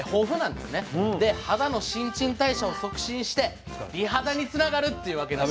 で肌の新陳代謝を促進して美肌につながるっていうわけなんです。